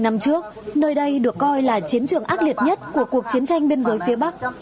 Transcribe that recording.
năm trước nơi đây được coi là chiến trường ác liệt nhất của cuộc chiến tranh biên giới phía bắc